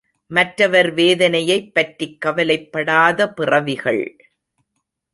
மற்றவர் வேதனையைப் பற்றிக் கவலைப்படாத பிறவிகள்!